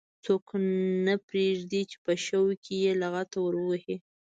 څوک نه پرېږدي چې په شوق کې یې لغته ور ووهي.